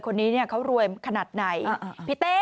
คนนี้เขารวยขนาดไหนพี่เต้